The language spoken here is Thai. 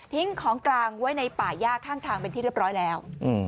ของกลางไว้ในป่าย่าข้างทางเป็นที่เรียบร้อยแล้ว